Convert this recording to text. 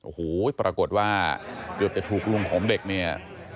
โอ้โหปรากฏว่าเกือบจะถูกลุงของเด็กเนี่ย